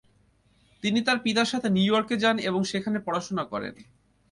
তিনি তার পিতার সাথে নিউ ইয়র্কে যান এবং সেখানে পড়াশোনা করেন।